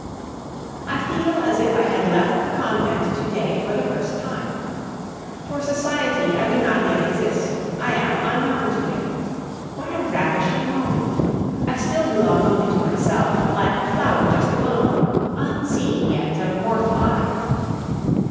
I feel as if I had left the convent to day for the first time. For society I do not yet exist; I am unknown to it. What a ravishing moment! I still belong only to myself, like a flower just blown, unseen yet of mortal eye.